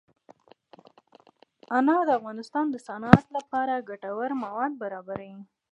انار د افغانستان د صنعت لپاره ګټور مواد برابروي.